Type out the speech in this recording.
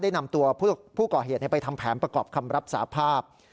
นำตัวผู้ก่อเหตุไปทำแผนประกอบคำรับสาภาพ